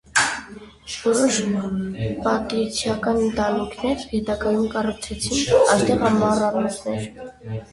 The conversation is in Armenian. Որոշ պատրիցիական ընտանիքներ հետագայում կառուցեցին այստեղ ամառանոցներ։